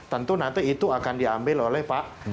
tentu nanti itu akan diambil oleh pak